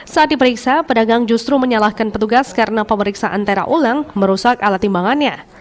saat diperiksa pedagang justru menyalahkan petugas karena pemeriksaan tera ulang merusak alat timbangannya